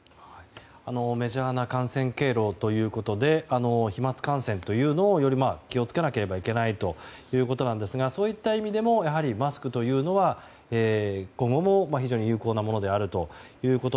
メジャーな感染経路をということで飛沫感染により気を付けなければいけないということですがそういった意味でもマスクは今後も非常に有効なものであると。